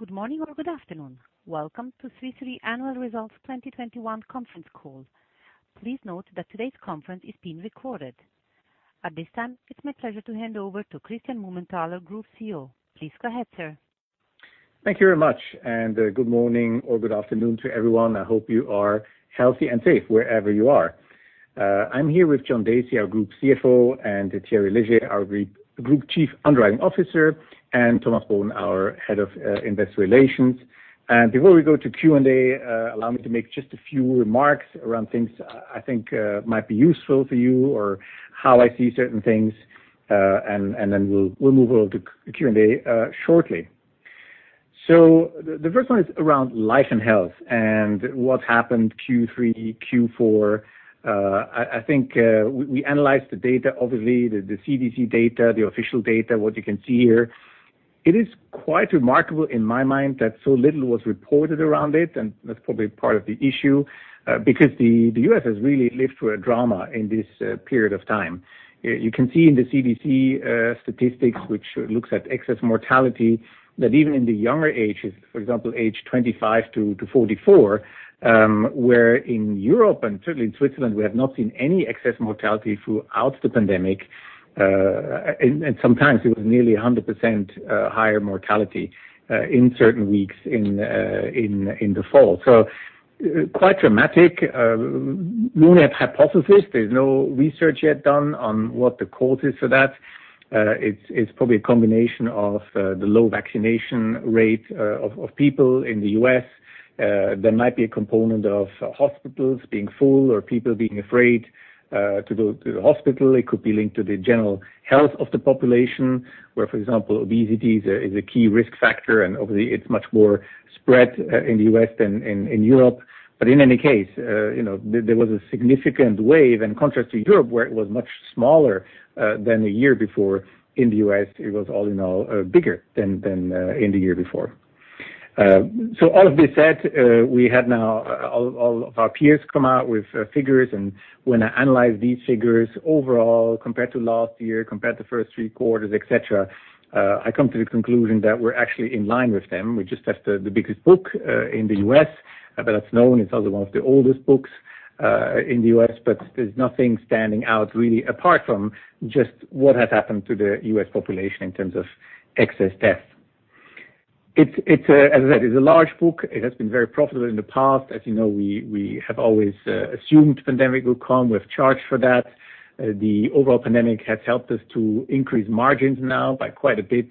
Good morning or good afternoon. Welcome to Swiss Re annual results 2021 conference call. Please note that today's conference is being recorded. At this time, it's my pleasure to hand over to Christian Mumenthaler, Group CEO. Please go ahead, sir. Thank you very much, and good morning or good afternoon to everyone. I hope you are healthy and safe wherever you are. I'm here with John Dacey, our Group CFO, and Thierry Léger, our Group Chief Underwriting Officer, and Thomas Bohun, our Head of Investor Relations. Before we go to Q&A, allow me to make just a few remarks around things I think might be useful for you or how I see certain things, and then we'll move over to Q&A shortly. The first one is around Life and Health and what happened Q3, Q4. I think we analyzed the data, obviously the CDC data, the official data, what you can see here. It is quite remarkable in my mind that so little was reported around it, and that's probably part of the issue, because the U.S. has really lived through a drama in this period of time. You can see in the CDC statistics, which looks at excess mortality, that even in the younger ages, for example, age 25 to 44, where in Europe and certainly in Switzerland, we have not seen any excess mortality throughout the pandemic. And sometimes it was nearly 100% higher mortality in certain weeks in the fall. Quite dramatic, we only have hypothesis. There's no research yet done on what the cause is for that. It's probably a combination of the low vaccination rate of people in the U.S. There might be a component of hospitals being full or people being afraid to go to the hospital. It could be linked to the general health of the population, where, for example, obesity is a key risk factor, and obviously it's much more spread in the U.S. than in Europe. In any case, you know, there was a significant wave. In contrast to Europe, where it was much smaller than the year before. In the U.S., it was all in all bigger than in the year before. All of this said, we have now all of our peers come out with figures, and when I analyze these figures overall, compared to last year, compared to first three quarters, et cetera, I come to the conclusion that we're actually in line with them. We just have the biggest book in the U.S., but that's known. It's also one of the oldest books in the U.S., but there's nothing standing out really, apart from just what has happened to the U.S. population in terms of excess death. It's a large book, as I said. It has been very profitable in the past. As you know, we have always assumed pandemic would come. We've charged for that. The overall pandemic has helped us to increase margins now by quite a bit.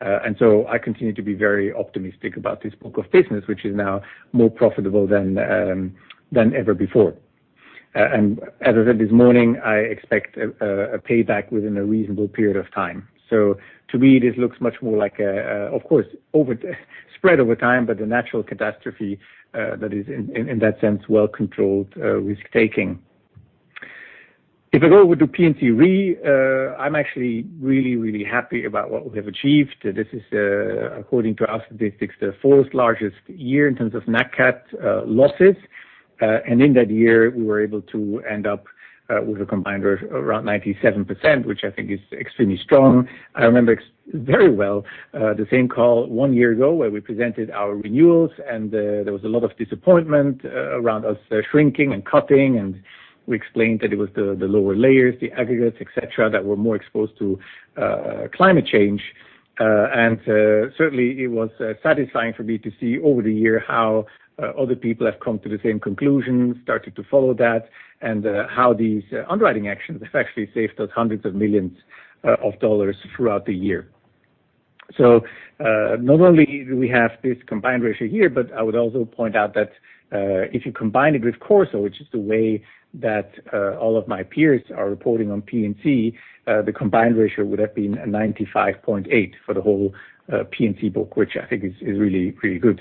I continue to be very optimistic about this book of business, which is now more profitable than ever before. As I said this morning, I expect a payback within a reasonable period of time. To me, this looks much more like, of course, spread over time, but a natural catastrophe that is in that sense well controlled risk taking. If I go over to P&C Re, I'm actually really happy about what we have achieved. This is according to our statistics, the fourth largest year in terms of NatCat losses. In that year, we were able to end up with a combined around 97%, which I think is extremely strong. I remember very well the same call one year ago where we presented our renewals and there was a lot of disappointment around us shrinking and cutting, and we explained that it was the lower layers, the aggregates, et cetera, that were more exposed to climate change. Certainly it was satisfying for me to see over the year how other people have come to the same conclusion, started to follow that, and how these underwriting actions have actually saved us hundreds of millions of dollars throughout the year. Not only do we have this combined ratio here, but I would also point out that if you combine it with Corporate Solutions, which is the way that all of my peers are reporting on P&C, the combined ratio would have been 95.8 for the whole P&C book, which I think is really good.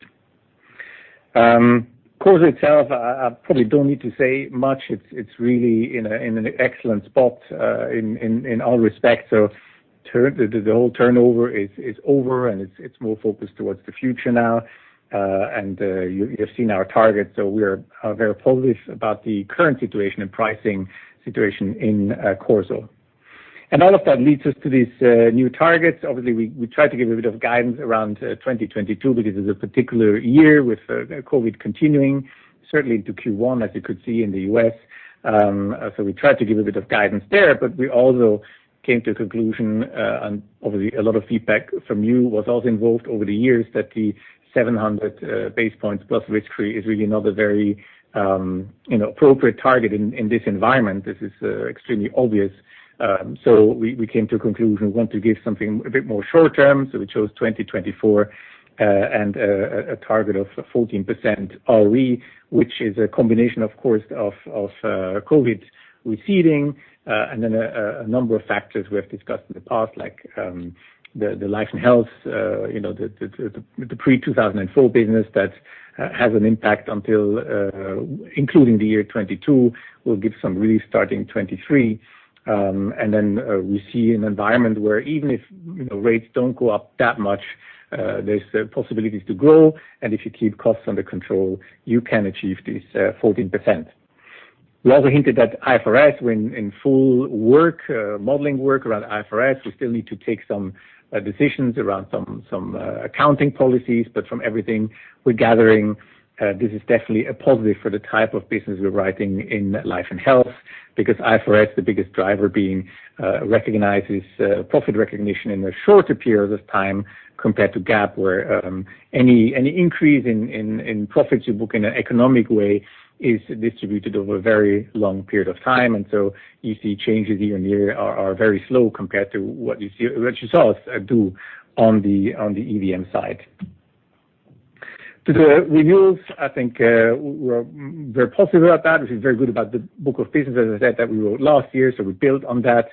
Corporate Solutions itself, I probably don't need to say much. It's really in an excellent spot in all respects. The whole turnaround is over, and it's more focused towards the future now. You've seen our targets, so we're very polished about the current situation and pricing situation in Corporate Solutions. All of that leads us to these new targets. Obviously, we tried to give a bit of guidance around 2022 because it's a particular year with COVID continuing certainly into Q1, as you could see in the U.S. We tried to give a bit of guidance there, but we also came to conclusion, and obviously a lot of feedback from you was also involved over the years that the 700 basis points plus risk-free is really not a very you know appropriate target in this environment. This is extremely obvious. We came to a conclusion, want to give something a bit more short-term. We chose 2024 and a target of 14% ROE, which is a combination, of course, of COVID receding and then a number of factors we have discussed in the past, like the Life and Health, you know, the pre-2004 business that has an impact until including the year 2022. We'll give some relief starting 2023. We see an environment where even if, you know, rates don't go up that much, there's possibilities to grow, and if you keep costs under control, you can achieve this 14%. We also hinted that IFRS, when in full, modeling work around IFRS, we still need to take some decisions around some accounting policies. From everything we're gathering, this is definitely a positive for the type of business we're writing in Life and Health, because IFRS is the biggest driver in recognizing profit in a shorter period of time compared to GAAP, where any increase in profits you book in an economic way is distributed over a very long period of time. You see changes year on year are very slow compared to what you saw us do on the EVM side. To the renewals, I think we're positive about that. Which is very good about the book of business, as I said, that we wrote last year, so we built on that.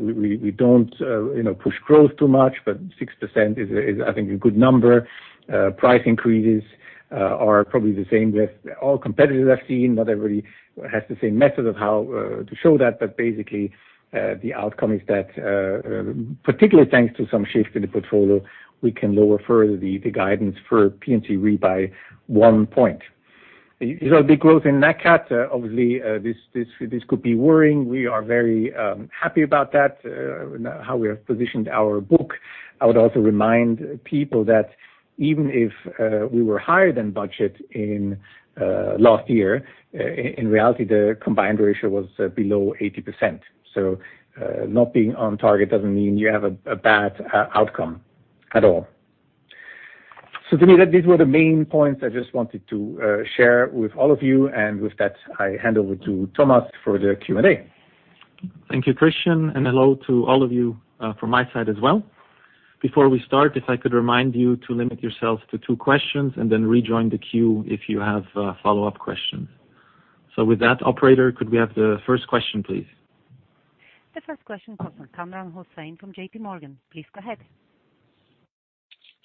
We don't, you know, push growth too much, but 6% is I think a good number. Price increases are probably the same with all competitors I've seen. Not everybody has the same method of how to show that. Basically, the outcome is that, particularly thanks to some shifts in the portfolio, we can lower further the guidance for P&C Re by 1 point. You know, the growth in that NatCat, obviously, this could be worrying. We are very happy about that, how we have positioned our book. I would also remind people that even if we were higher than budget in last year, in reality, the combined ratio was below 80%. Not being on target doesn't mean you have a bad outcome at all. To me, these were the main points I just wanted to share with all of you. With that, I hand over to Thomas for the Q&A. Thank you, Christian, and hello to all of you, from my side as well. Before we start, if I could remind you to limit yourself to two questions and then rejoin the queue if you have follow-up questions. With that, operator, could we have the first question, please? The first question comes from Kamran Hossain from JPMorgan. Please go ahead.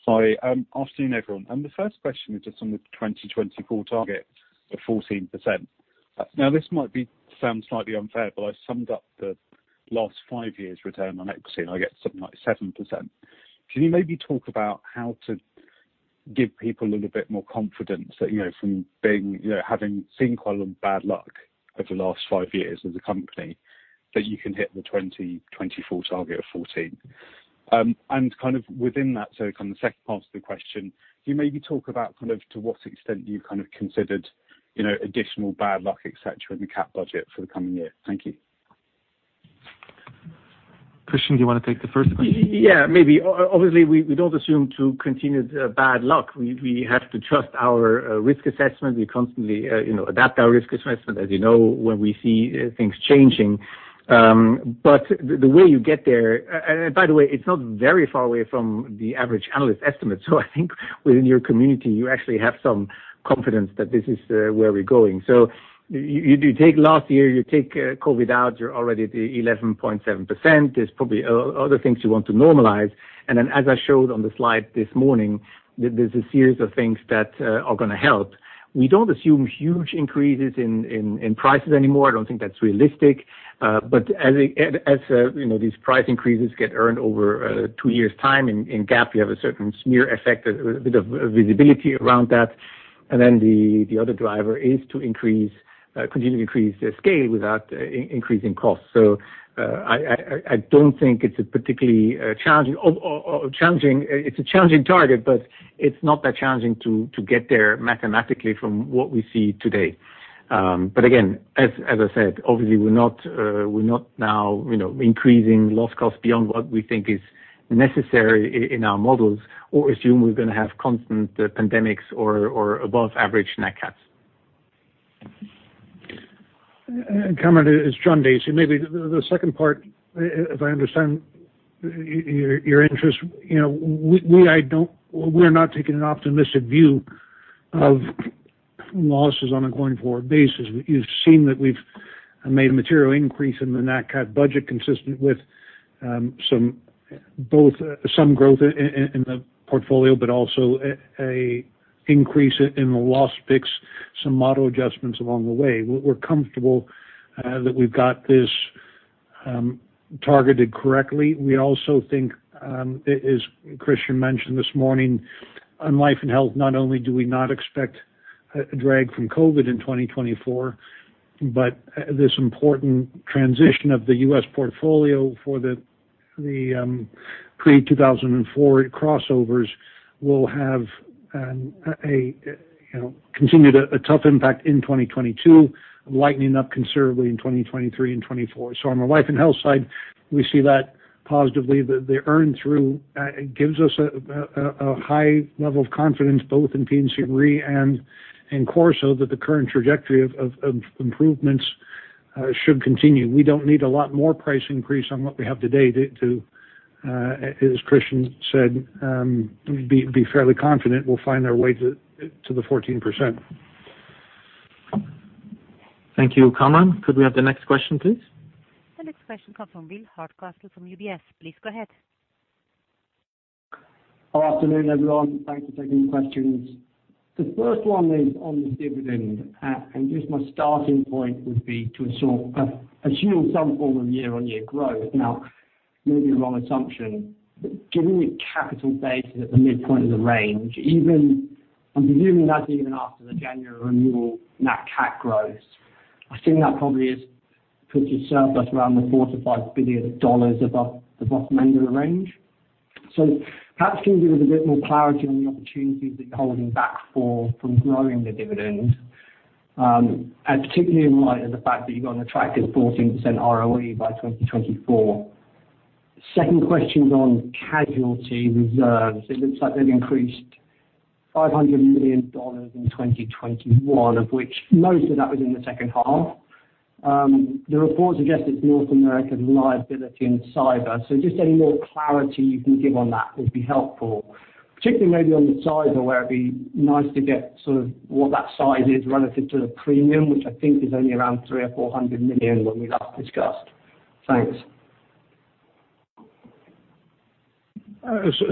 Sorry, afternoon, everyone. The first question is just on the 2024 target of 14%. Now, this might sound slightly unfair, but I summed up the last five years return on equity, and I get something like 7%. Can you maybe talk about how to give people a little bit more confidence that, you know, from being, you know, having seen quite a lot of bad luck over the last five years as a company, that you can hit the 2024 target of 14%? Kind of within that, kind of the second part of the question, can you maybe talk about kind of to what extent you've kind of considered, you know, additional bad luck, et cetera, in the cat budget for the coming year? Thank you. Christian, do you wanna take the first question? Yeah, maybe. Obviously, we don't assume to continue the bad luck. We have to trust our risk assessment. We constantly, you know, adapt our risk assessment, as you know, when we see things changing. The way you get there. By the way, it's not very far away from the average analyst estimate. I think within your community, you actually have some confidence that this is where we're going. You take last year, you take COVID out, you're already at the 11.7%. There's probably other things you want to normalize. As I showed on the slide this morning, there's a series of things that are gonna help. We don't assume huge increases in prices anymore. I don't think that's realistic. As you know, these price increases get earned over two years' time in GAAP, you have a certain smear effect, a bit of visibility around that. Then the other driver is to continue to increase the scale without increasing costs. I don't think it's a particularly challenging target, but it's not that challenging to get there mathematically from what we see today. Again, as I said, obviously we're not now, you know, increasing loss costs beyond what we think is necessary in our models or assume we're gonna have constant pandemics or above average NatCat. Kamran, it's John Dacey. Maybe the second part, if I understand your interest, you know, we're not taking an optimistic view of losses on a going-forward basis. You've seen that we've made a material increase in the NatCat budget consistent with both some growth in the portfolio, but also an increase in the loss picks, some model adjustments along the way. We're comfortable that we've got this targeted correctly. We also think, as Christian mentioned this morning, on Life and Health, not only do we not expect a drag from COVID in 2024, but this important transition of the U.S. portfolio for the pre-2004 crossovers will have a tough impact in 2022, lightening up considerably in 2023 and 2024. On the Life and Health side, we see that positively. The earn through gives us a high level of confidence both in P&C Re and in Corporate Solutions, that the current trajectory of improvements should continue. We don't need a lot more price increase on what we have today to, as Christian said, be fairly confident we'll find our way to the 14%. Thank you, Kamran. Could we have the next question, please? The next question comes from Will Hardcastle from UBS. Please go ahead. Afternoon, everyone. Thanks for taking the questions. The first one is on this dividend. Just my starting point would be to assume some form of year-on-year growth. Now, Maybe the wrong assumption, but given the capital base is at the midpoint of the range, even I'm assuming that's even after the January renewal, that NatCat grows. I assume that probably puts you just around the $4 billion-$5 billion above the bottom end of the range. Perhaps can you give us a bit more clarity on the opportunities that you're holding back from growing the dividend, and particularly in light of the fact that you've got an attractive 14% ROE by 2024. Second question is on casualty reserves. It looks like they've increased $500 million in 2021, of which most of that was in the second half. The report suggested North American liability and cyber. Just any more clarity you can give on that would be helpful. Particularly maybe on the cyber, where it'd be nice to get sort of what that size is relative to the premium, which I think is only around $300 million-$400 million when we last discussed. Thanks.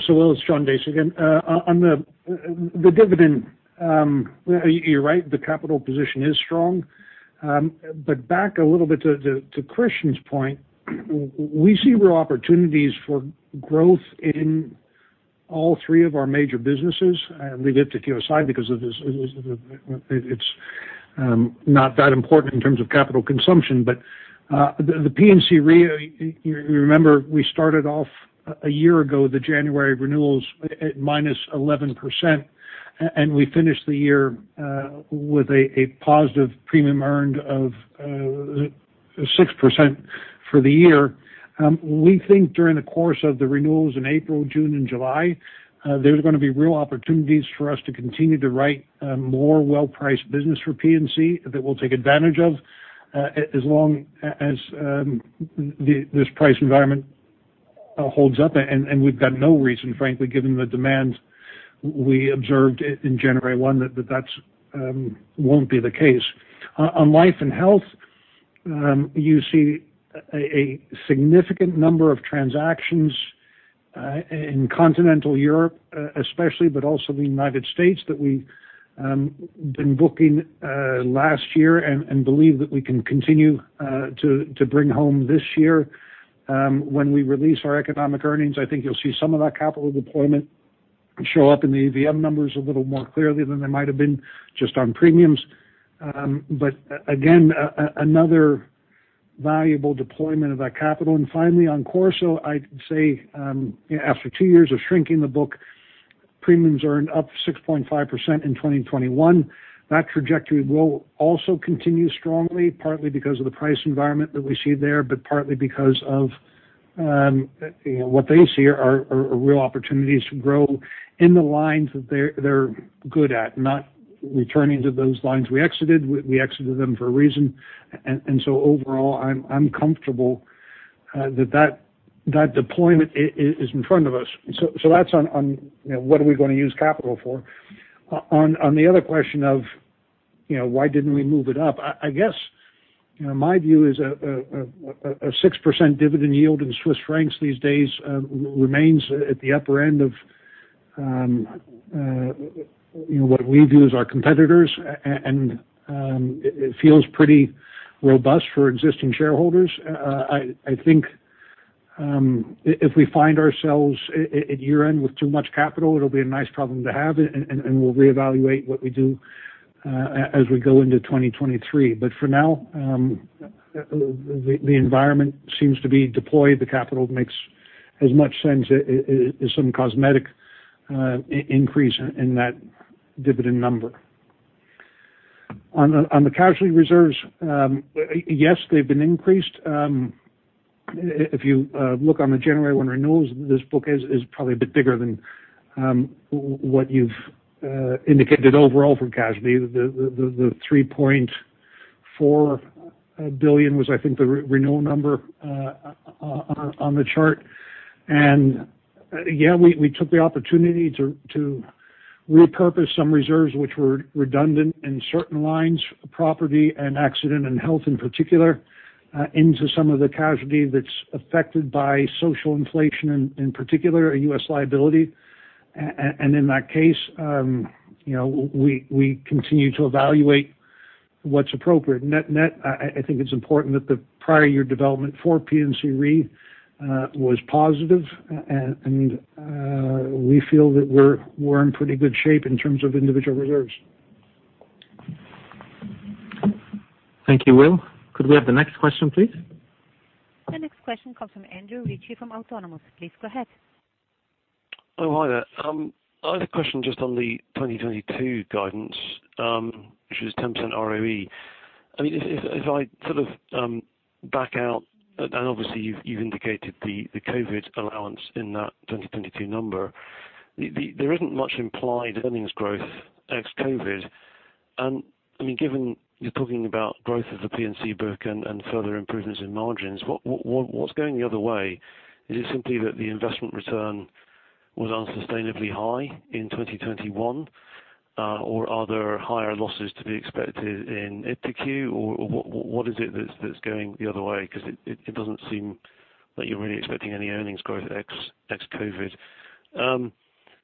Will, it's John Dacey again. On the dividend, you're right, the capital position is strong. Back a little bit to Christian's point, we see real opportunities for growth in all three of our major businesses. We leave the L&H side because of this, it's not that important in terms of capital consumption. The P&C Re, you remember we started off a year ago, the January renewals at -11%, and we finished the year with a positive premium earned of 6% for the year. We think during the course of the renewals in April, June and July, there's gonna be real opportunities for us to continue to write more well-priced business for P&C that we'll take advantage of as long as this price environment holds up. We've got no reason, frankly, given the demand we observed in January 1, that won't be the case. On Life and Health, you see a significant number of transactions in continental Europe especially, but also the United States that we've been booking last year and believe that we can continue to bring home this year. When we release our economic earnings, I think you'll see some of that capital deployment show up in the EVM numbers a little more clearly than they might have been just on premiums. Again, another valuable deployment of that capital. Finally, on Corporate Solutions, I'd say, after two years of shrinking the book, premiums are up 6.5% in 2021. That trajectory will also continue strongly, partly because of the price environment that we see there, but partly because of, you know, what they see are real opportunities to grow in the lines that they're good at, not returning to those lines we exited. We exited them for a reason. Overall, I'm comfortable that that deployment is in front of us. That's on, you know, what are we gonna use capital for. On the other question of, you know, why didn't we move it up? I guess, you know, my view is a 6% dividend yield in Swiss francs these days remains at the upper end of, you know, what we view as our competitors. It feels pretty robust for existing shareholders. I think if we find ourselves at year-end with too much capital, it'll be a nice problem to have, and we'll reevaluate what we do as we go into 2023. For now, deploying the capital makes as much sense as some cosmetic increase in that dividend number. On the casualty reserves, yes, they've been increased. If you look on the January one renewals, this book is probably a bit bigger than what you've indicated overall for casualty. The $3.4 billion was, I think, the renewal number on the chart. Yeah, we took the opportunity to repurpose some reserves which were redundant in certain lines, property and accident and health in particular, into some of the casualty that's affected by social inflation, in particular U.S. liability. In that case, you know, we continue to evaluate what's appropriate. Net, I think it's important that the prior year development for P&C Re was positive, and we feel that we're in pretty good shape in terms of individual reserves. Thank you, Will. Could we have the next question, please? The next question comes from Andrew Ritchie from Autonomous Research. Please go ahead. Oh, hi there. I have a question just on the 2022 guidance, which is 10% ROE. I mean, if I sort of back out, and obviously you've indicated the COVID allowance in that 2022 number, there isn't much implied earnings growth ex-COVID. I mean, given you're talking about growth of the P&C book and further improvements in margins, what's going the other way? Is it simply that the investment return was unsustainably high in 2021, or are there higher losses to be expected in 1Q? Or what is it that's going the other way? Because it doesn't seem that you're really expecting any earnings growth ex-COVID.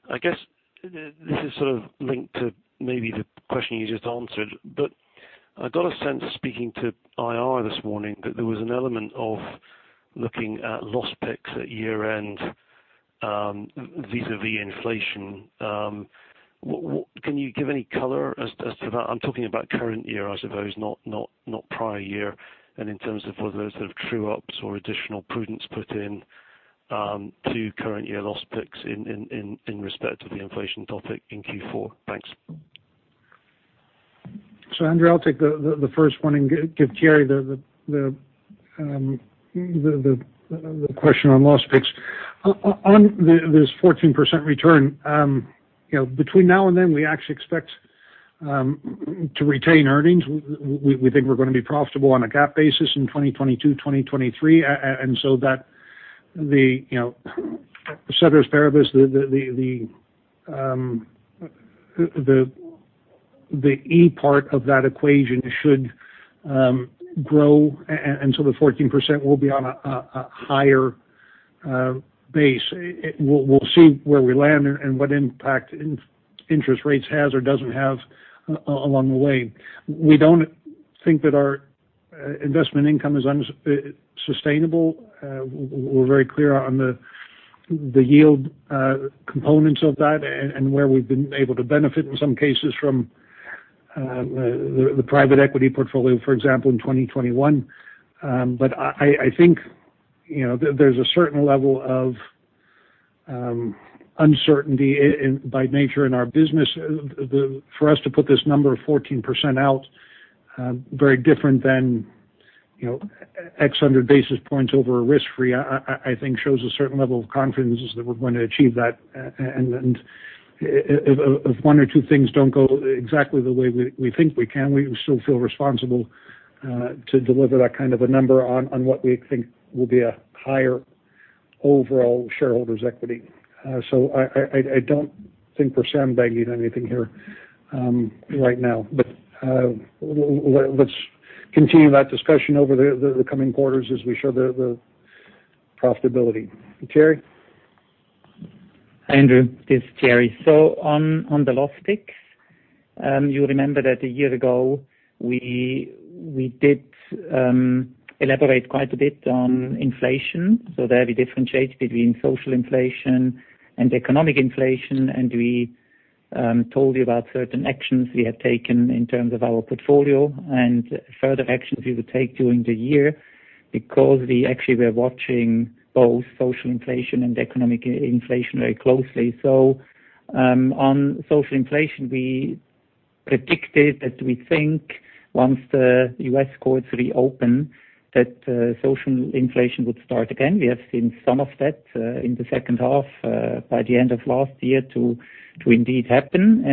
I guess this is sort of linked to maybe the question you just answered. I got a sense speaking to IR this morning that there was an element of looking at loss picks at year-end, vis-à-vis inflation. Can you give any color as to that? I'm talking about current year, I suppose, not prior year, and in terms of whether there's sort of true ups or additional prudence put in to current year loss picks in respect of the inflation topic in Q4. Thanks. Andrew, I'll take the first one and give Thierry the question on loss picks. On this 14% return, you know, between now and then, we actually expect to retain earnings. We think we're gonna be profitable on a GAAP basis in 2022, 2023. The, you know, ceteris paribus, the E part of that equation should grow. The 14% will be on a higher base. We'll see where we land and what impact interest rates has or doesn't have along the way. We don't think that our investment income is unsustainable. We're very clear on the yield components of that and where we've been able to benefit in some cases from the private equity portfolio, for example, in 2021. I think, you know, there's a certain level of uncertainty inherent by nature in our business. For us to put this number of 14% out, very different than, you know, say a hundred basis points over a risk-free, I think shows a certain level of confidence that we're going to achieve that. If one or two things don't go exactly the way we think we can, we still feel responsible to deliver that kind of a number on what we think will be a higher overall shareholders equity. I don't think we're sandbagging anything here right now. Let's continue that discussion over the coming quarters as we show the profitability. Thierry? Andrew, this is Thierry. On the loss picks, you remember that a year ago we did elaborate quite a bit on inflation. There we differentiate between social inflation and economic inflation, and we told you about certain actions we had taken in terms of our portfolio and further actions we would take during the year because we actually were watching both social inflation and economic inflation very closely. On social inflation, we predicted that we think once the U.S. courts reopen, that social inflation would start again. We have seen some of that in the second half by the end of last year to indeed happen.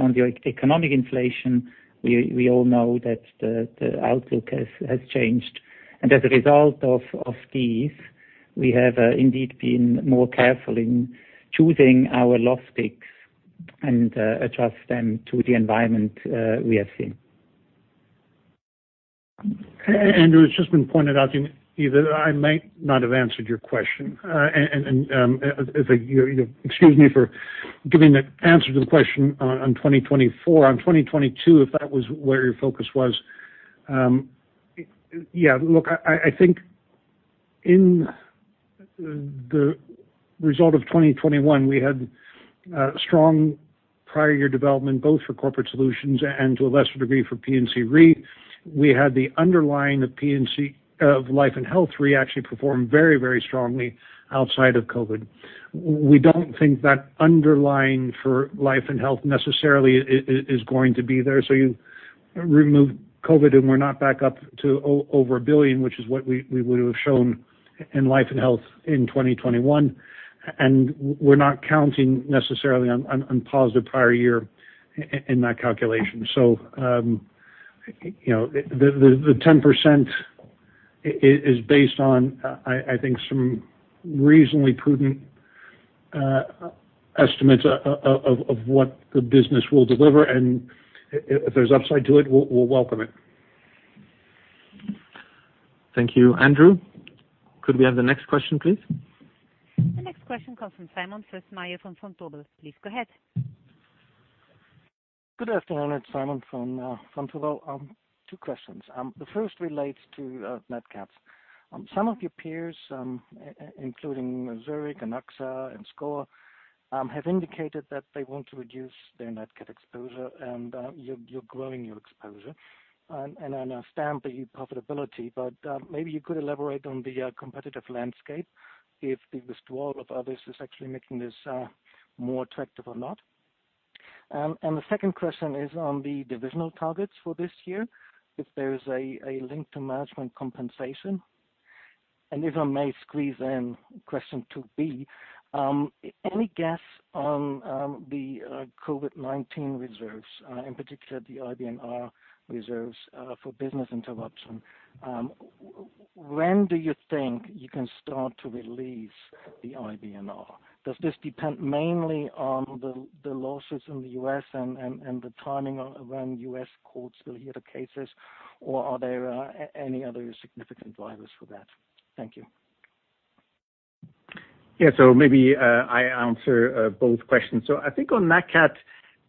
On the economic inflation, we all know that the outlook has changed. As a result of these, we have indeed been more careful in choosing our loss picks and adjust them to the environment we have seen. It was just been pointed out to me that I might not have answered your question. As you know, excuse me for giving the answer to the question on 2024. On 2022, if that was where your focus was, I think in the result of 2021, we had strong prior year development, both for Corporate Solutions and to a lesser degree for P&C Re. We had the underlying P&C, Life and Health re actually perform very, very strongly outside of COVID. We don't think that underlying for Life and Health necessarily is going to be there. You remove COVID and we're not back up to over $1 billion, which is what we would have shown in Life and Health in 2021. We're not counting necessarily on positive prior year in that calculation. So, you know, the 10% is based on I think some reasonably prudent estimates of what the business will deliver, and if there's upside to it, we'll welcome it. Thank you, Andrew. Could we have the next question, please? The next question comes from Simon Fössmeier from Vontobel. Please go ahead. Good afternoon. It's Simon from Vontobel. Two questions. The first relates to net cats. Some of your peers, including Zurich and AXA and SCOR, have indicated that they want to reduce their NetCat exposure, and you're growing your exposure. I understand the profitability, but maybe you could elaborate on the competitive landscape if the withdrawal of others is actually making this more attractive or not. The second question is on the divisional targets for this year, if there is a link to management compensation. If I may squeeze in question two B, any guess on the COVID-19 reserves, in particular the IBNR reserves, for business interruption? When do you think you can start to release the IBNR? Does this depend mainly on the losses in the U.S. and the timing of when U.S. courts will hear the cases, or are there any other significant drivers for that? Thank you. Yeah. Maybe I answer both questions. I think on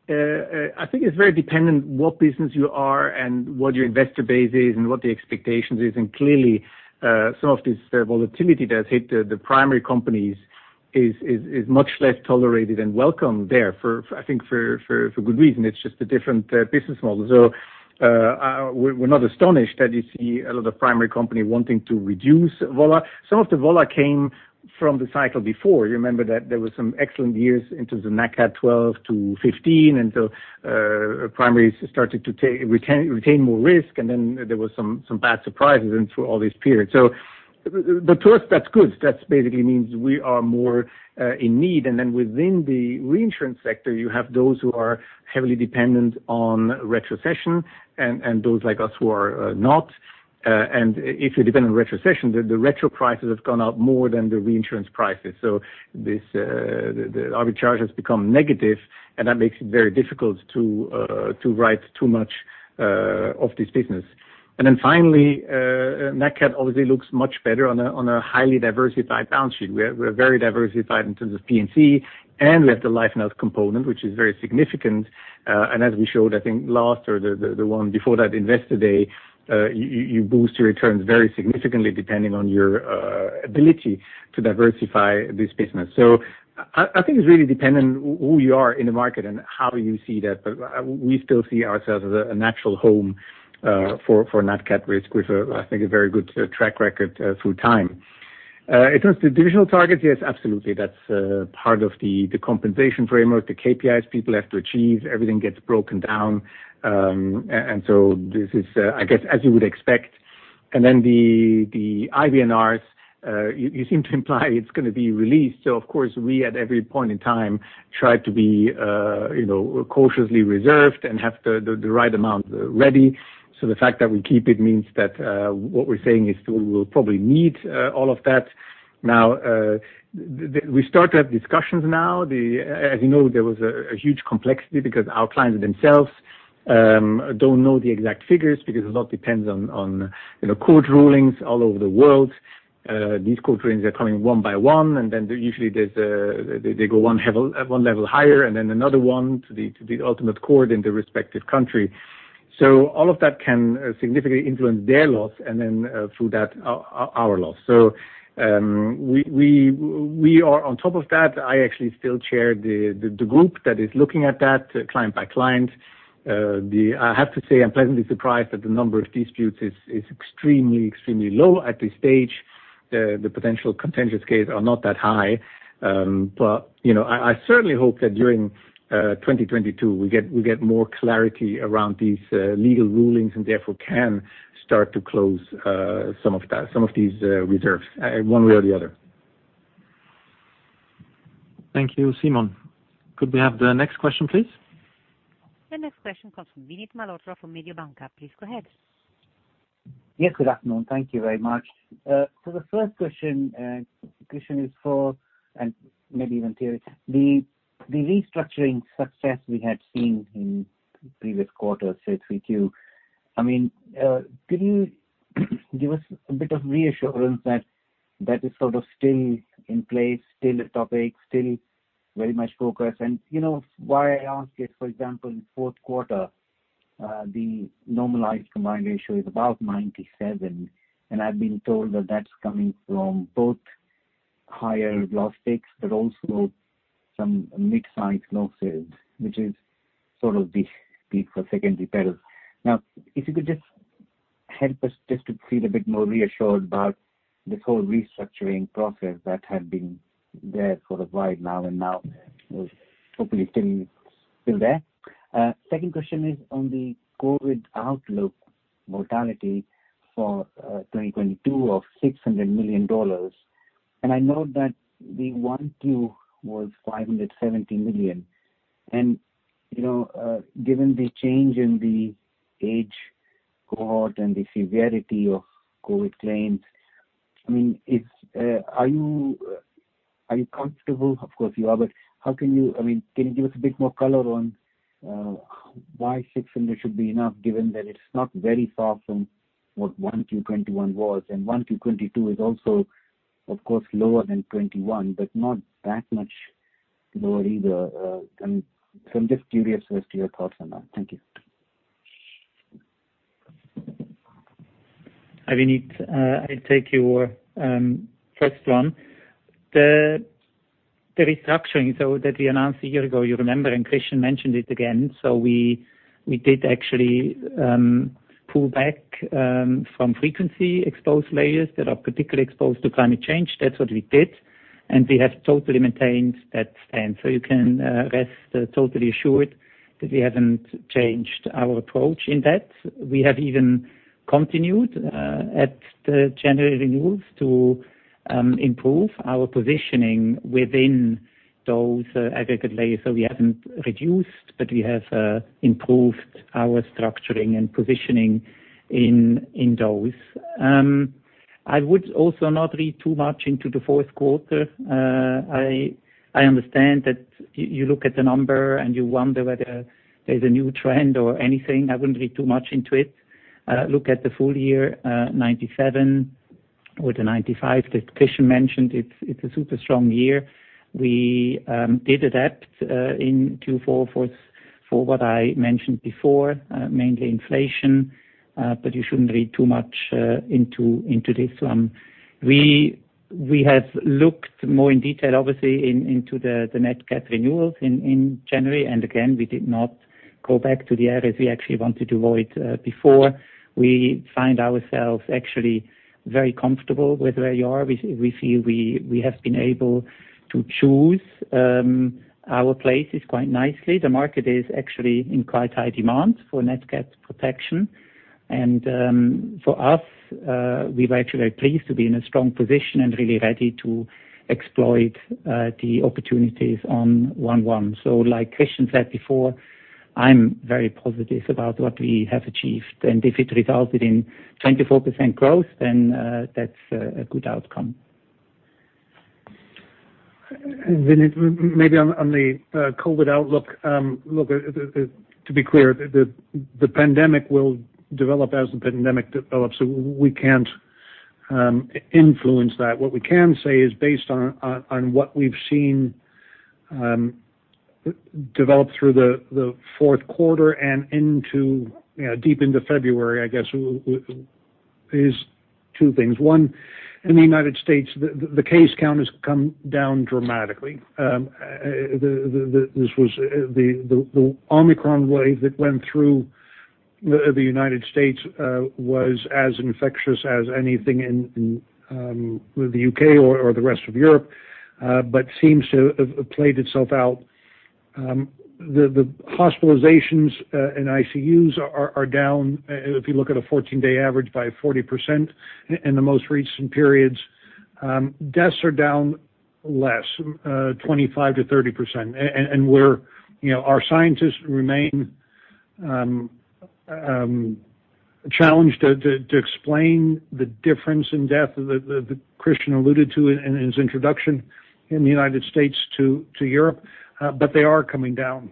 NatCat, it's very dependent on what business you are and what your investor base is and what the expectations is. Clearly, some of this volatility that hit the primary companies is much less tolerated and welcome therefore, I think, for good reason. It's just a different business model. We're not astonished that you see a lot of the primary companies wanting to reduce Vola. Some of the Vola came from the cycle before. You remember that there was some excellent years in the NatCat 2012-2015, and primaries started to retain more risk, and then there was some bad surprises through all these periods. To us, that's good. That basically means we are more in need. Then within the reinsurance sector, you have those who are heavily dependent on retrocession and those like us who are not. If you depend on retrocession, the retro prices have gone up more than the reinsurance prices. This, the average charge has become negative, and that makes it very difficult to write too much of this business. Then finally, NatCat obviously looks much better on a highly diversified balance sheet. We're very diversified in terms of P&C and with the Life & Health component, which is very significant. As we showed, I think last or the one before that Investors' Day, you boost your returns very significantly depending on your ability to diversify this business. I think it's really dependent who you are in the market and how you see that, but we still see ourselves as a natural home for NatCat risk with, I think, a very good track record through time. In terms of divisional targets, yes, absolutely. That's part of the compensation framework. The KPIs people have to achieve, everything gets broken down. This is, I guess, as you would expect. The IBNRs you seem to imply it's gonna be released. Of course, we at every point in time try to be, you know, cautiously reserved and have the right amount ready. The fact that we keep it means that what we're saying is we will probably need all of that. Now, we start to have discussions now. As you know, there was a huge complexity because our clients themselves don't know the exact figures because a lot depends on, you know, court rulings all over the world. These court rulings are coming one by one, and then usually they go one level higher, and then another one to the ultimate court in the respective country. All of that can significantly influence their loss and then through that, our loss. We are on top of that. I actually still chair the group that is looking at that client by client. I have to say, I'm pleasantly surprised that the number of disputes is extremely low at this stage. The potential contentious case are not that high. You know, I certainly hope that during 2022 we get more clarity around these legal rulings and therefore can start to close some of that, some of these reserves one way or the other. Thank you, Simon. Could we have the next question, please? The next question comes from Vinit Malhotra from Mediobanca. Please go ahead. Yes, good afternoon. Thank you very much. So the first question is for Andrew and maybe even Thierry, the restructuring success we had seen in previous quarters, say Q3. I mean, could you give us a bit of reassurance that that is sort of still in place, still a topic, still very much focused? You know why I ask it, for example, in fourth quarter, the normalized combined ratio is about 97%, and I've been told that that's coming from both higher loss takes but also some mid-size losses, which is sort of the peak for secondary perils. Now, if you could just help us to feel a bit more reassured about this whole restructuring process that had been there for a while now and is hopefully still there. Second question is on the COVID outlook mortality for 2022 of $600 million. I know that the 1Q was $570 million. You know, given the change in the age cohort and the severity of COVID claims, I mean, are you comfortable? Of course you are. But how can you? I mean, can you give us a bit more color on why $600 should be enough given that it's not very far from what 1Q 2021 was, and 1Q 2022 is also, of course, lower than 2021, but not that much lower either. I'm just curious as to your thoughts on that. Thank you. Vinit, I'll take your first one. The restructuring that we announced a year ago, you remember, and Christian mentioned it again. We did actually pull back from frequency exposed layers that are particularly exposed to climate change. That's what we did. We have totally maintained that stance. You can rest totally assured that we haven't changed our approach in that. We have even continued at the January renewals to improve our positioning within those aggregate layers. We haven't reduced, but we have improved our structuring and positioning in those. I would also not read too much into the fourth quarter. I understand that you look at the number and you wonder whether there's a new trend or anything. I wouldn't read too much into it. Look at the full year, 1997 or the 1995 that Christian mentioned. It's a super strong year. We did adapt in Q4 for what I mentioned before, mainly inflation. But you shouldn't read too much into this one. We have looked more in detail, obviously, into the NatCat renewals in January. Again, we did not go back to the areas we actually wanted to avoid before. We find ourselves actually very comfortable with where we are. We feel we have been able to choose our places quite nicely. The market is actually in quite high demand for NatCat protection. For us, we're actually very pleased to be in a strong position and really ready to exploit the opportunities on one-one. Like Christian said before, I'm very positive about what we have achieved. If it resulted in 24% growth, then that's a good outcome. Vinit, maybe on the COVID outlook. Look, to be clear, the pandemic will develop as the pandemic develops. We can't influence that. What we can say is based on what we've seen develop through the fourth quarter and into, you know, deep into February, I guess, is two things. One, in the United States, the case count has come down dramatically. This was the Omicron wave that went through the United States was as infectious as anything in the U.K. or the rest of Europe, but seems to have played itself out. The hospitalizations in ICUs are down if you look at a 14-day average, by 40% in the most recent periods. Deaths are down less 25%-30%. We're, you know, our scientists remain challenged to explain the difference in death that Christian alluded to in his introduction in the United States to Europe, but they are coming down.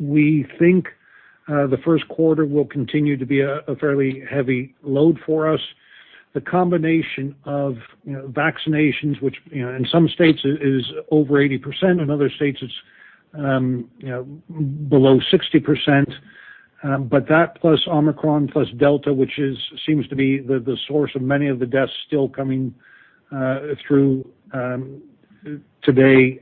We think the first quarter will continue to be a fairly heavy load for us. The combination of, you know, vaccinations, which, you know, in some states is over 80%, in other states it's, you know, below 60%. That plus Omicron, plus Delta, which seems to be the source of many of the deaths still coming through today,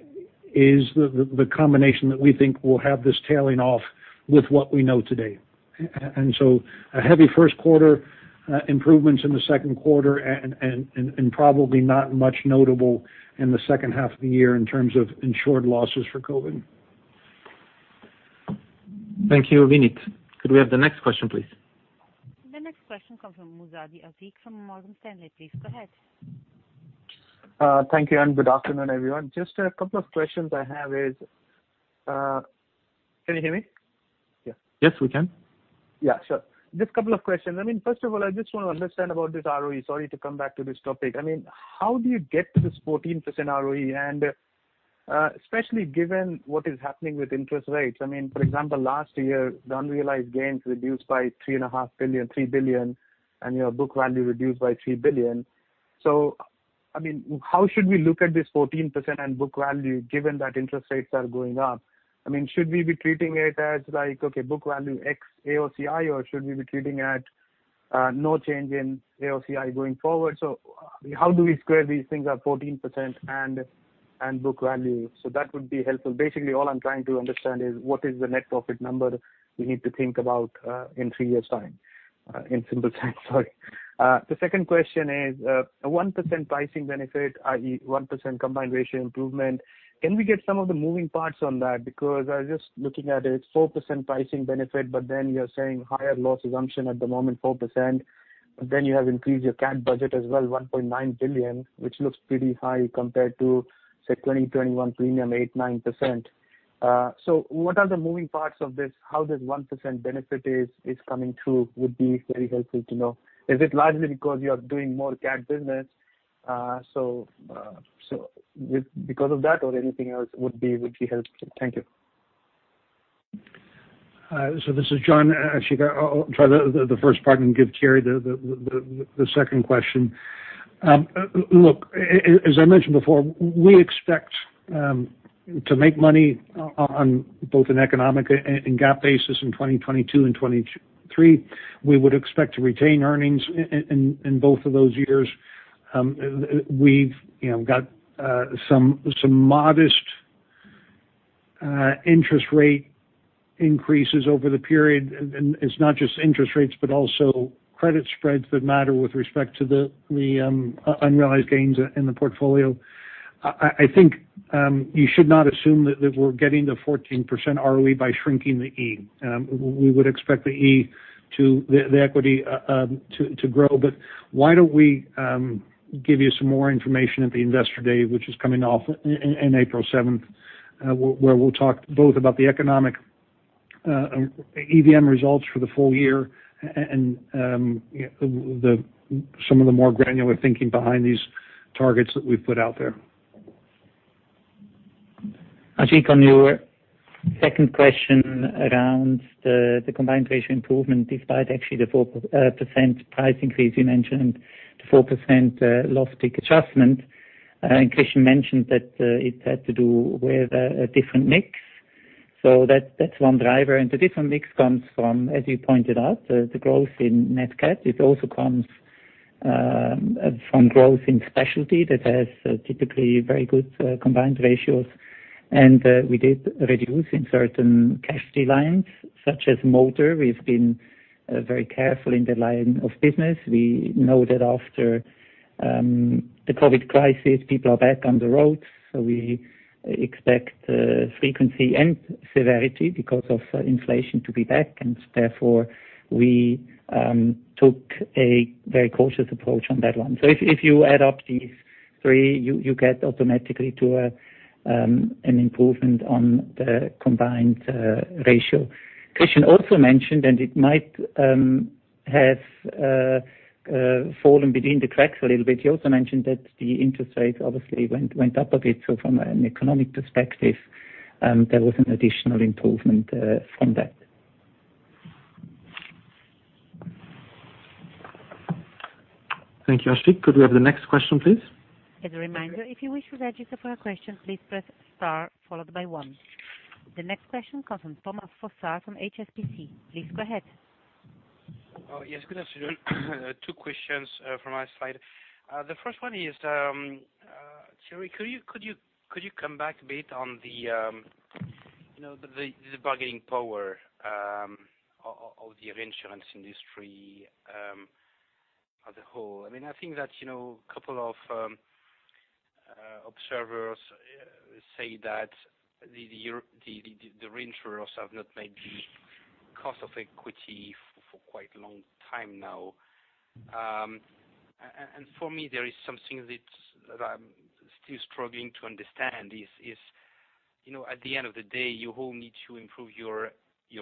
is the combination that we think will have this tailing off with what we know today. A heavy first quarter, improvements in the second quarter and probably not much notable in the second half of the year in terms of insured losses for COVID. Thank you, Vinit. Could we have the next question, please? The next question comes from Ashik Musaddi from Morgan Stanley. Please go ahead. Thank you, and good afternoon, everyone. Just a couple of questions I have is, Can you hear me? Yeah. Yes, we can. Yeah, sure. Just a couple of questions. I mean, first of all, I just want to understand about this ROE. Sorry to come back to this topic. I mean, how do you get to this 14% ROE? Especially given what is happening with interest rates. I mean, for example, last year, the unrealized gains reduced by $3 billion, and your book value reduced by $3 billion. So, I mean, how should we look at this 14% and book value given that interest rates are going up? I mean, should we be treating it as like, okay, book value X AOCI, or should we be treating it as no change in AOCI going forward? So how do we square these things at 14% and book value? So that would be helpful. Basically, all I'm trying to understand is what is the net profit number we need to think about in three years' time in simple terms? Sorry. The second question is a 1% pricing benefit, i.e., 1% combined ratio improvement. Can we get some of the moving parts on that? Because I was just looking at it, 4% pricing benefit, but then you're saying higher loss assumption at the moment, 4%. But then you have increased your cat budget as well, $1.9 billion, which looks pretty high compared to, say, 2021 premium, 8%-9%. So what are the moving parts of this? How this 1% benefit is coming through would be very helpful to know. Is it largely because you are doing more cat business? Because of that or anything else would be helpful. Thank you. This is John. Actually, I'll try the first part and give Thierry the second question. Look, as I mentioned before, we expect to make money on both an economic and GAAP basis in 2022 and 2023. We would expect to retain earnings in both of those years. We've, you know, got some modest interest rate increases over the period. It's not just interest rates, but also credit spreads that matter with respect to the unrealized gains in the portfolio. I think you should not assume that we're getting to 14% ROE by shrinking the E. We would expect the E, the equity, to grow. Why don't we give you some more information at the Investors' Day, which is coming up in April 7, where we'll talk both about the economic EVM results for the full year and some of the more granular thinking behind these targets that we've put out there. Ashik, on your second question around the combined ratio improvement, despite actually the 4% price increase you mentioned, 4% loss pick adjustment, and Christian mentioned that it had to do with a different mix. That's one driver. The different mix comes from, as you pointed out, the growth in NatCat. It also comes from growth in specialty that has typically very good combined ratios. We did reduce in certain casualty lines, such as motor. We've been very careful in the line of business. We know that after the COVID crisis, people are back on the roads, so we expect frequency and severity because of inflation to be back, and therefore we took a very cautious approach on that one. If you add up these three, you get automatically to an improvement on the combined ratio. Christian also mentioned, and it might have fallen between the cracks a little bit. He also mentioned that the interest rate obviously went up a bit. From an economic perspective, there was an additional improvement from that. Thank you, Ashik. Could we have the next question, please? As a reminder, if you wish to register for a question, please press star followed by one. The next question comes from Thomas Fossard from HSBC. Please go ahead. Oh, yes. Good afternoon. Two questions from my side. The first one is, Thierry, could you come back a bit on, you know, the bargaining power of the reinsurance industry as a whole? I mean, I think that, you know, a couple of observers say that the reinsurers have not made the cost of equity for quite a long time now. For me, there is something that I'm still struggling to understand is, you know, at the end of the day, you all need to improve your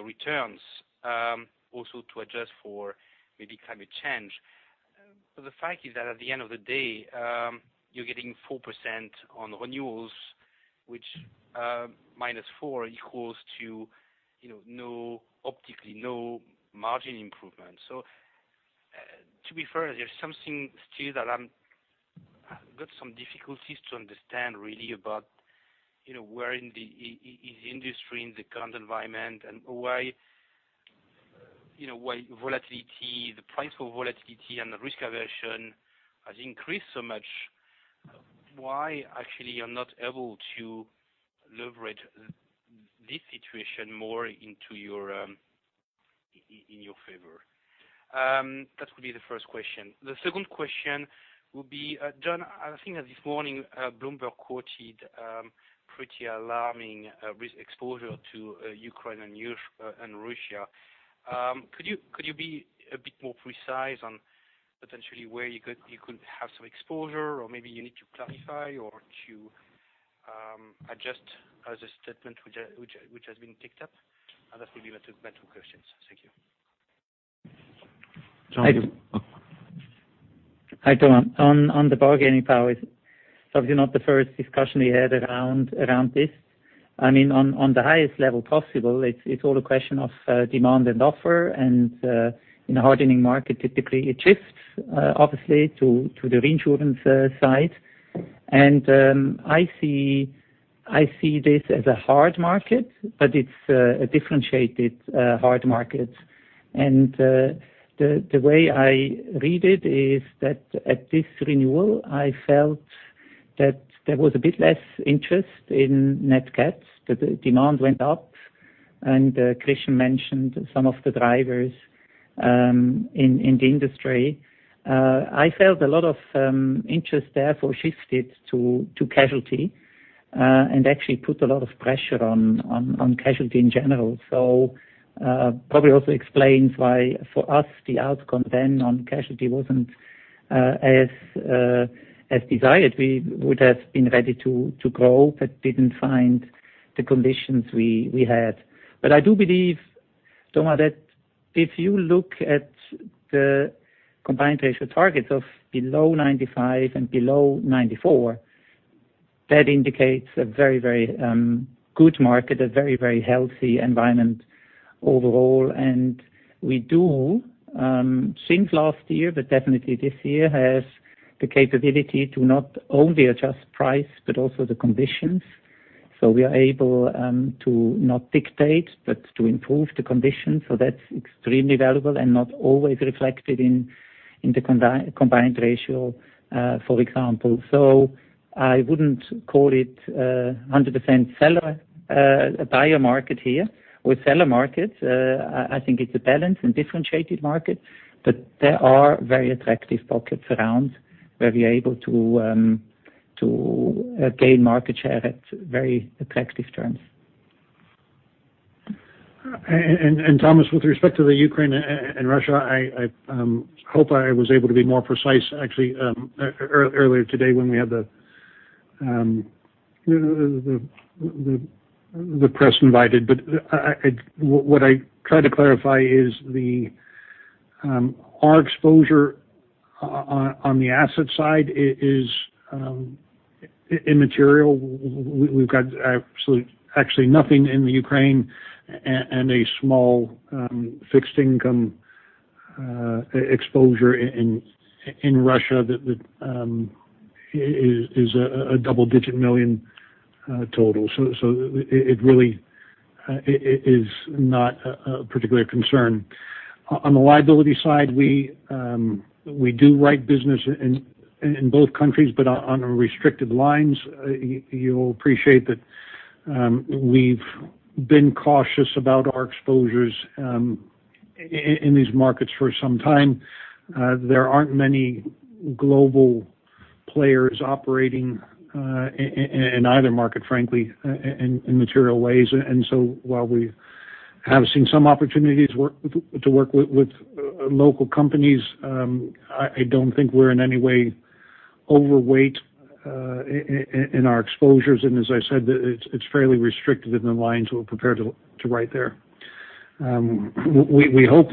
returns also to adjust for maybe climate change. The fact is that at the end of the day, you're getting 4% on renewals, which -4 equals to, you know, optically no margin improvement. To be fair, there's something still that I got some difficulties to understand, really, about, you know, where the insurance industry is in the current environment and why, you know, why volatility, the price for volatility and the risk aversion has increased so much. Why actually you're not able to leverage this situation more into your in your favor? That would be the first question. The second question would be, John, I think that this morning, Bloomberg quoted pretty alarming risk exposure to Ukraine and Europe and Russia. Could you be a bit more precise on potentially where you could have some exposure or maybe you need to clarify or to adjust as a statement which has been picked up? That will be my two questions. Thank you. John. Hi, Thomas. On the bargaining power, it's obviously not the first discussion we had around this. I mean, on the highest level possible, it's all a question of demand and supply. In a hardening market, typically it shifts obviously to the reinsurance side. I see this as a hard market, but it's a differentiated hard market. The way I read it is that at this renewal, I felt that there was a bit less interest in NatCat. The demand went up, and Christian mentioned some of the drivers in the industry. I felt a lot of interest therefore shifted to casualty and actually put a lot of pressure on casualty in general. Probably also explains why for us, the outcome then on casualty wasn't as desired. We would have been ready to grow, but didn't find the conditions we had. I do believe, Thomas, that if you look at the combined ratio targets of below 95% and below 94%, that indicates a very, very good market, a very, very healthy environment overall. We do, since last year, but definitely this year, have the capability to not only adjust price but also the conditions. We are able to not dictate, but to improve the conditions. That's extremely valuable and not always reflected in the combined ratio, for example. I wouldn't call it 100% seller, buyer market here with seller markets. I think it's a balanced and differentiated market, but there are very attractive pockets around where we're able to gain market share at very attractive terms. Thomas, with respect to Ukraine and Russia, I hope I was able to be more precise actually earlier today when we had the press invited. What I tried to clarify is our exposure on the asset side is immaterial. We've got absolutely actually nothing in Ukraine and a small fixed income exposure in Russia that is a double-digit million total. It really is not a particular concern. On the liability side, we do write business in both countries, but on restricted lines. You'll appreciate that we've been cautious about our exposures in these markets for some time. There aren't many global players operating in either market, frankly, in material ways. While we have seen some opportunities to work with local companies, I don't think we're in any way overweight in our exposures. As I said, it's fairly restricted in the lines we're prepared to write there. We hope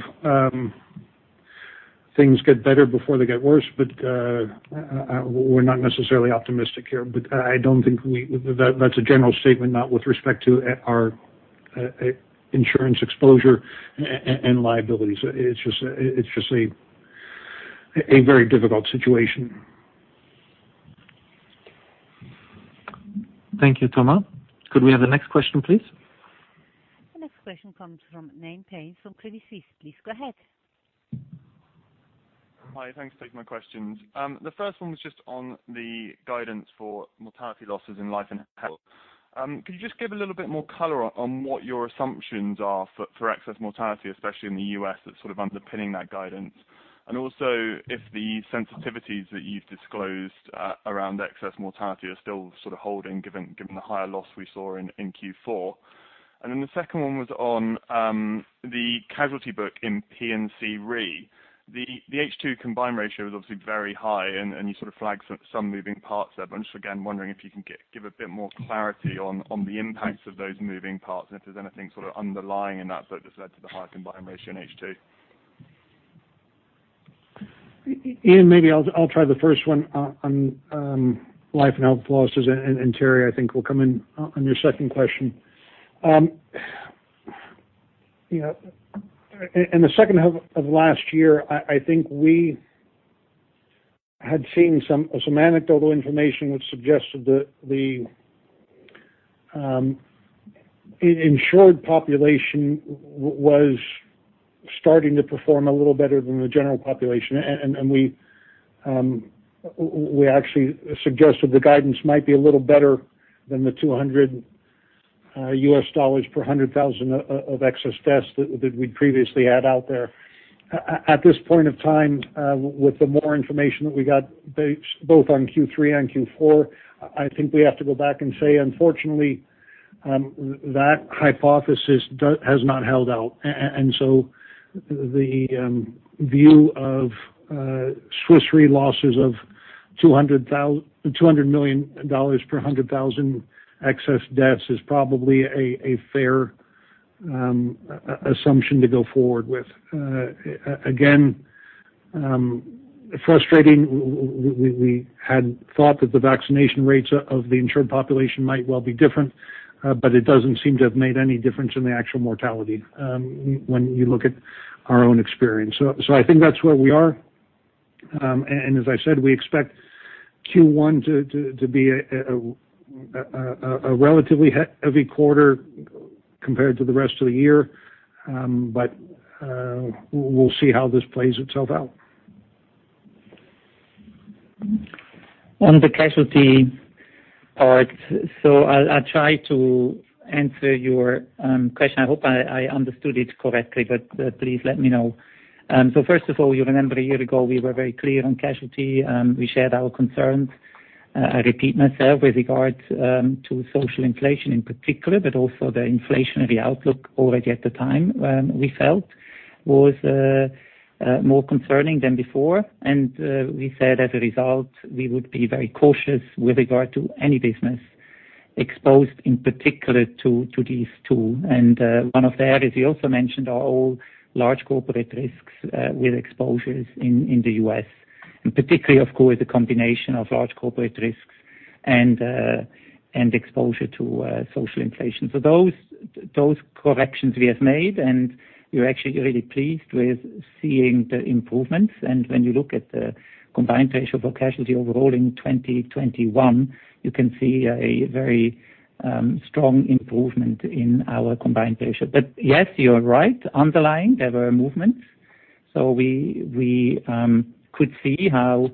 things get better before they get worse, but we're not necessarily optimistic here, but I don't think that's a general statement, not with respect to our insurance exposure and liabilities. It's just a very difficult situation. Thank you, Thomas. Could we have the next question, please? The next question comes from Iain Pearce, from Credit Suisse. Please go ahead. Hi, thanks for taking my questions. The first one was just on the guidance for mortality losses in Life and Health. Could you just give a little bit more color on what your assumptions are for excess mortality, especially in the U.S., that's sort of underpinning that guidance? Also if the sensitivities that you've disclosed around excess mortality are still sort of holding, given the higher loss we saw in Q4. Then the second one was on the casualty book in P&C Re. The H2 combined ratio was obviously very high and you sort of flagged some moving parts there. I'm just again wondering if you can give a bit more clarity on the impacts of those moving parts and if there's anything sort of underlying in that that just led to the high combined ratio in H2. Iain, maybe I'll try the first one on Life and Health losses, and Thierry, I think, will come in on your second question. You know, in the second half of last year, I think we had seen some anecdotal information which suggested that the insured population was starting to perform a little better than the general population. We actually suggested the guidance might be a little better than $200 per 100,000 of excess deaths that we'd previously had out there. At this point of time, with the more information that we got both on Q3 and Q4, I think we have to go back and say, unfortunately, that hypothesis has not held out. The view of Swiss Re losses of $200 million per 100,000 excess deaths is probably a fair assumption to go forward with. Again, frustrating we had thought that the vaccination rates of the insured population might well be different, but it doesn't seem to have made any difference in the actual mortality, when you look at our own experience. I think that's where we are. As I said, we expect Q1 to be a relatively heavy quarter compared to the rest of the year. We'll see how this plays itself out. On the casualty part, I'll try to answer your question. I hope I understood it correctly, but please let me know. First of all, you remember a year ago we were very clear on casualty and we shared our concerns. I repeat myself, with regard to social inflation in particular, but also the inflationary outlook already at the time we felt was more concerning than before. We said as a result, we would be very cautious with regard to any business exposed in particular to these two. One of the areas you also mentioned are all large corporate risks with exposures in the U.S. Particularly, of course, the combination of large corporate risks and exposure to social inflation. Those corrections we have made, and we're actually really pleased with seeing the improvements. When you look at the combined ratio for casualty overall in 2021, you can see a very strong improvement in our combined ratio. Yes, you're right. Underlying, there were movements. We could see how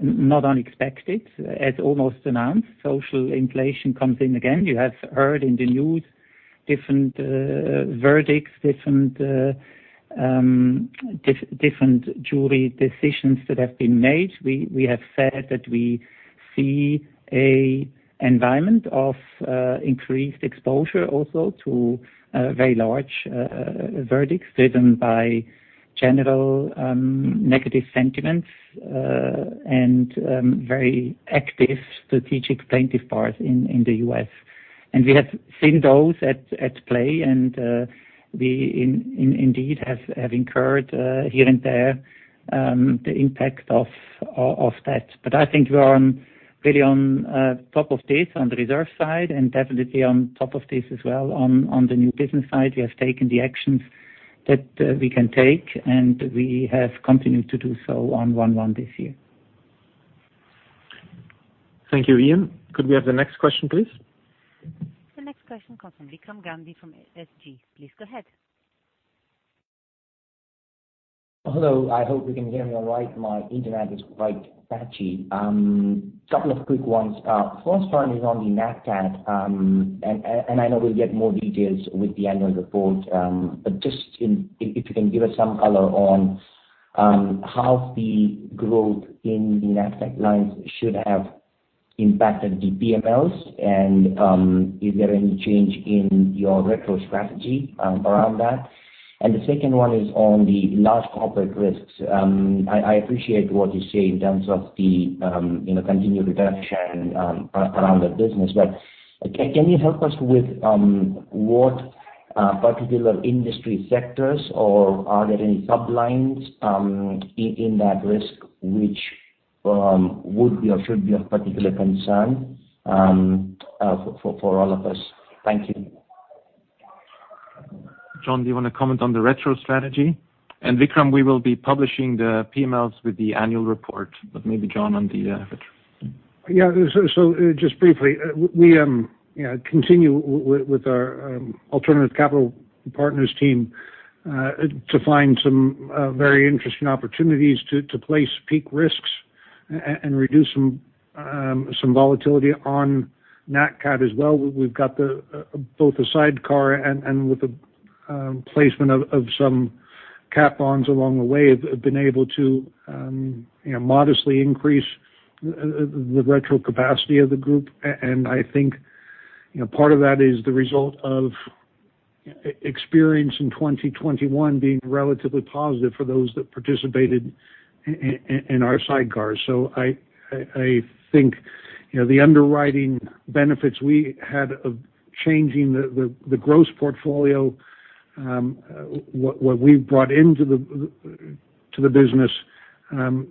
not unexpected, as almost announced, social inflation comes in again. You have heard in the news different verdicts, different jury decisions that have been made. We have said that we see an environment of increased exposure also to very large verdicts driven by general negative sentiments and very active strategic plaintiff bars in the U.S. We have seen those at play, and we indeed have incurred here and there the impact of that. I think we are really on top of this on the reserve side and definitely on top of this as well on the new business side. We have taken the actions that we can take and we have continued to do so ongoing this year. Thank you, Iain. Could we have the next question, please? The next question comes from Vikram Gandhi from SG. Please go ahead. Hello. I hope you can hear me all right. My internet is quite patchy. Couple of quick ones. First one is on the NatCat, and I know we'll get more details with the annual report, but if you can give us some color on how the growth in the NatCat lines should have impacted the PMLs and is there any change in your retro strategy around that? The second one is on the large corporate risks. I appreciate what you say in terms of the you know, continued reduction around the business. Can you help us with what particular industry sectors or are there any sublines in that risk which would be or should be of particular concern for all of us? Thank you. John, do you wanna comment on the retro strategy? Vikram, we will be publishing the PMLs with the annual report. Maybe John on the retro. Just briefly, we continue with our alternative capital partners team to find some very interesting opportunities to place peak risks and reduce some volatility on NatCat as well. We've got both the sidecar and with the placement of some cat bonds along the way, have been able to, you know, modestly increase the retro capacity of the group. I think, you know, part of that is the result of experience in 2021 being relatively positive for those that participated in our sidecars. I think, you know, the underwriting benefits we had of changing the gross portfolio, what we brought into the business,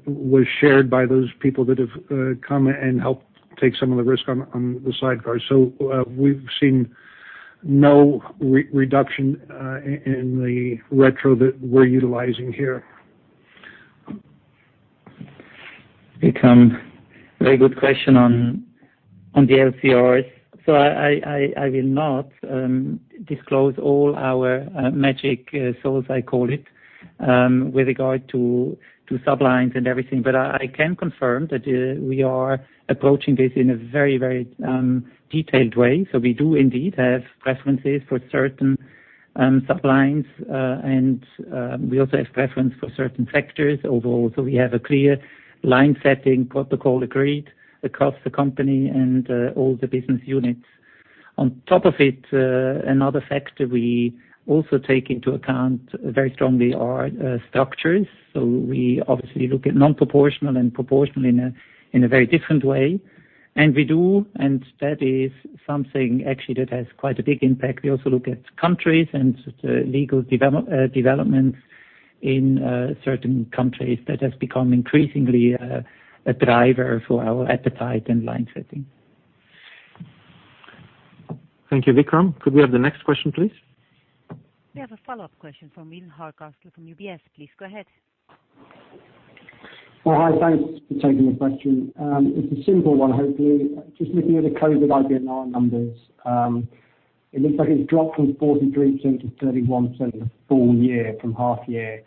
was shared by those people that have come and helped take some of the risk on the sidecar. We've seen no reduction in the retro that we're utilizing here. Vikram, very good question on the LCRs. I will not disclose all our magic sauce, I call it, with regard to sublines and everything. I can confirm that we are approaching this in a very detailed way. We do indeed have preferences for certain sublines, and we also have preference for certain sectors although. We have a clear line setting protocol agreed across the company and all the business units. On top of it, another factor we also take into account very strongly are structures. We obviously look at non-proportional and proportional in a very different way. We do, and that is something actually that has quite a big impact. We also look at countries and legal developments in certain countries that has become increasingly a driver for our appetite and line setting. Thank you, Vikram. Could we have the next question, please? We have a follow-up question from Will Hardcastle from UBS. Please go ahead. Oh, hi. Thanks for taking the question. It's a simple one, hopefully. Just looking at the COVID IBNR numbers, it looks like it's dropped from 43% to 31% full year from half year.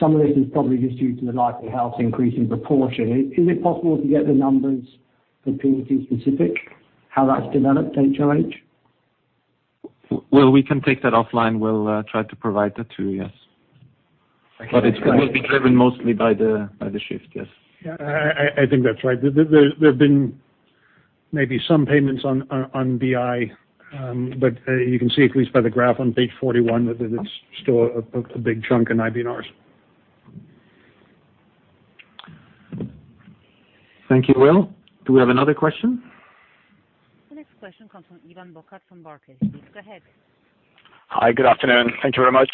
Some of this is probably just due to the Life & Health increase in proportion. Is it possible to get the numbers for P&C specific, how that's developed HOH? Well, we can take that offline. We'll try to provide that to you, yes. Thank you. It's gonna be driven mostly by the shift, yes. Yeah. I think that's right. There have been maybe some payments on BI, but you can see at least by the graph on page 41 that it's still a big chunk in IBNRs. Thank you, Will. Do we have another question? The next question comes from Ivan Bokhmat from Barclays. Please go ahead. Hi. Good afternoon. Thank you very much.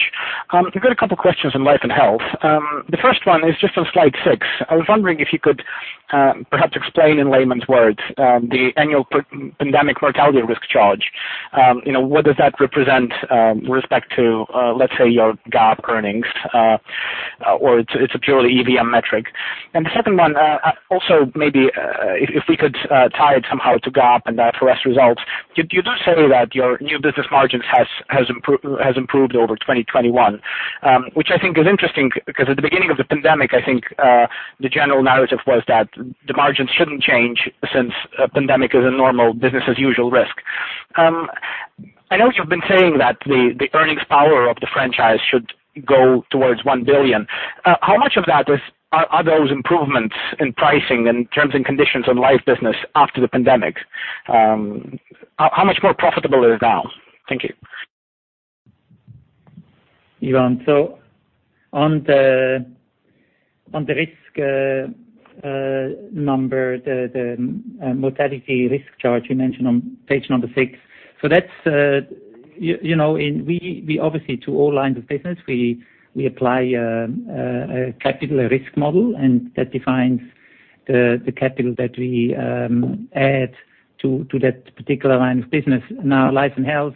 I've got a couple questions on Life & Health. The first one is just on slide six. I was wondering if you could perhaps explain in layman's words the annual pandemic mortality risk charge. You know, what does that represent with respect to let's say your GAAP earnings or it's a purely EVM metric. The second one also maybe if we could tie it somehow to GAAP and IFRS results. You do say that your new business margins has improved over 2021, which I think is interesting because at the beginning of the pandemic, I think the general narrative was that the margins shouldn't change since a pandemic is a normal business as usual risk. I know you've been saying that the earnings power of the franchise should go towards $1 billion. How much of that are those improvements in pricing and terms and conditions on life business after the pandemic? How much more profitable is it now? Thank you. Ivan. So on the risk number, the mortality risk charge you mentioned on page six. So that's, you know, and we obviously apply to all lines of business a capital risk model, and that defines the capital that we add to that particular line of business. Now, Life and Health,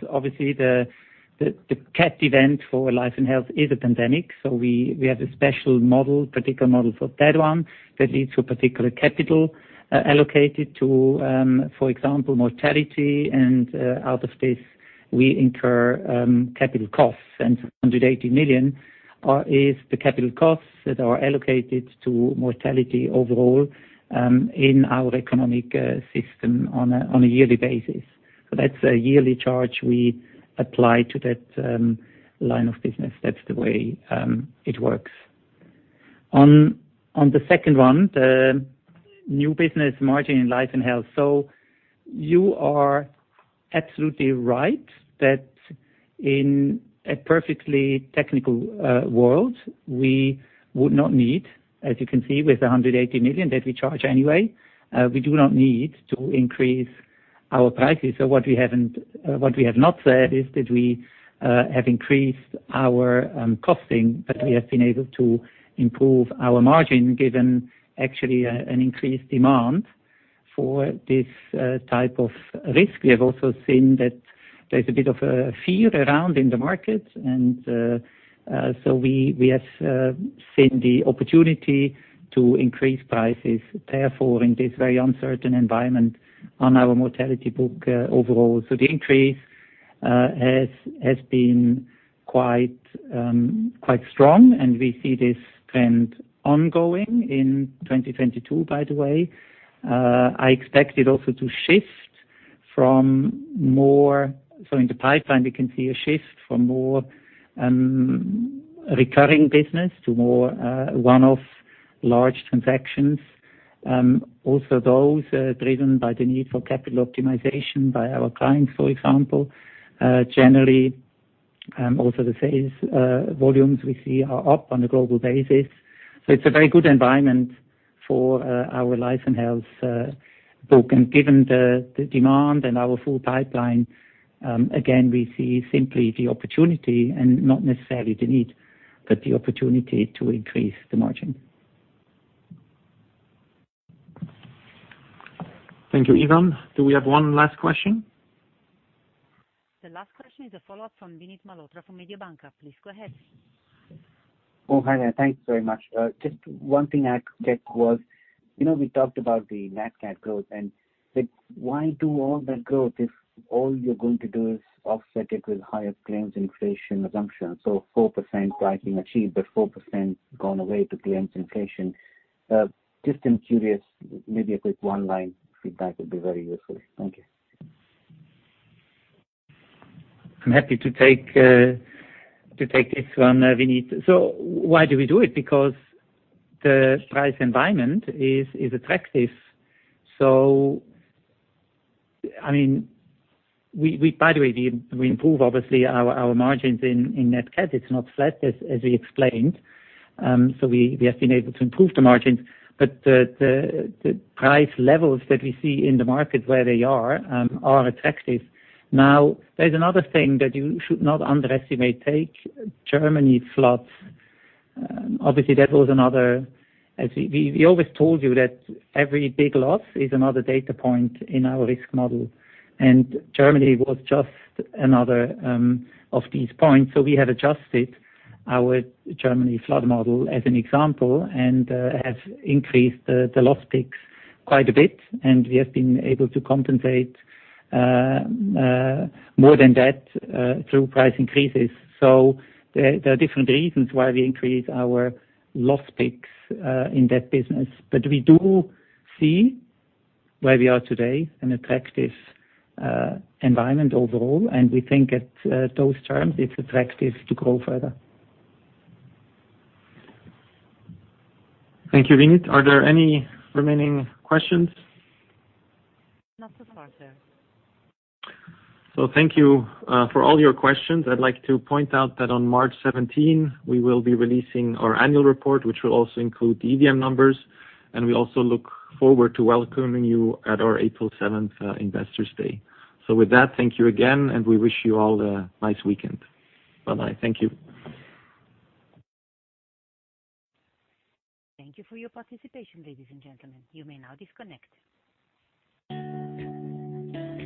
obviously the cat event for Life and Health is a pandemic. We have a special model, particular model for that one that leads to a particular capital allocated to, for example, mortality. Out of this, we incur capital costs. $180 million is the capital costs that are allocated to mortality overall in our economic system on a yearly basis. That's a yearly charge we apply to that line of business. That's the way it works. On the second one, the new business margin in Life and Health. You are absolutely right that in a perfectly technical world, we would not need, as you can see, with $180 million that we charge anyway, we do not need to increase our prices. What we have not said is that we have increased our costing, but we have been able to improve our margin given actually an increased demand for this type of risk. We have also seen that there's a bit of a fear around in the market. We have seen the opportunity to increase prices, therefore, in this very uncertain environment on our mortality book overall. The increase has been quite strong, and we see this trend ongoing in 2022, by the way. I expect it also to shift. In the pipeline, we can see a shift from more recurring business to more one-off large transactions, also those driven by the need for capital optimization by our clients, for example. Generally, also the sales volumes we see are up on a global basis. It's a very good environment for our Life and Health book. Given the demand and our full pipeline, again, we see simply the opportunity and not necessarily the need, but the opportunity to increase the margin. Thank you. Ivan, do we have one last question? The last question is a follow-up from Vinit Malhotra from Mediobanca. Please go ahead. Oh, hi there. Thank you very much. Just one thing I'd check was, you know, we talked about the Nat Cat growth, and like, why do all that growth if all you're going to do is offset it with higher claims inflation assumption? 4% pricing achieved, but 4% gone away to claims inflation. Just, I'm curious. Maybe a quick one-line feedback would be very useful. Thank you. I'm happy to take this one, Vinit. Why do we do it? Because the price environment is attractive. I mean, by the way, we improve obviously our margins in NatCat. It's not flat as we explained. So we have been able to improve the margins. But the price levels that we see in the market where they are are attractive. Now, there's another thing that you should not underestimate. Take Germany floods. Obviously, that was another. As we always told you that every big loss is another data point in our risk model, and Germany was just another of these points. We have adjusted our Germany flood model as an example and have increased the loss picks quite a bit, and we have been able to compensate more than that through price increases. There are different reasons why we increase our loss picks in that business. But we do see where we are today, an attractive environment overall. We think at those terms it's attractive to grow further. Thank you, Vinit. Are there any remaining questions? Not so far, sir. Thank you for all your questions. I'd like to point out that on March 17, we will be releasing our annual report, which will also include the EVM numbers. We also look forward to welcoming you at our April 7 Investors' Day. With that, thank you again, and we wish you all a nice weekend. Bye-bye. Thank you. Thank you for your participation, ladies and gentlemen. You may now disconnect.